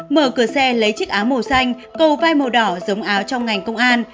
mở cửa xe lấy chiếc áo màu xanh cầu vai màu đỏ giống áo trong ngành công an